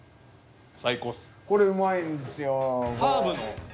これうまいんですよ。